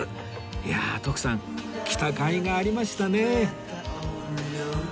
いやあ徳さん来たかいがありましたね